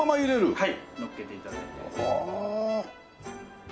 はい。